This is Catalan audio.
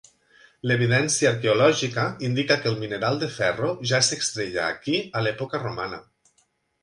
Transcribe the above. L'evidència arqueològica indica que el mineral de ferro ja s'extreia aquí a l'època romana.